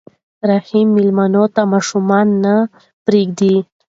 رحیم مېلمنو ته ماشومان نه پرېږدي.